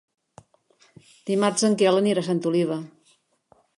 Dimarts en Quel anirà a Santa Oliva.